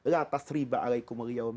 lata sri ba'alaikumuliawam